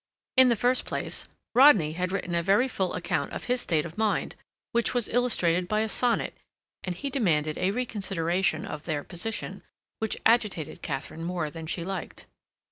In the first place, Rodney had written a very full account of his state of mind, which was illustrated by a sonnet, and he demanded a reconsideration of their position, which agitated Katharine more than she liked.